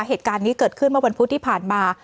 เหตุการณ์นี้เกิดขึ้นเมื่อวันพุธที่ผ่านมา